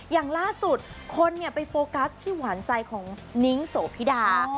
อย่างล่าสุดคนไปโฟกัสที่หวานใจของนิ้งโสพิดา